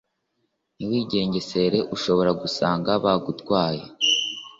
ntiwigengesere ushobora gusanga bagutwaye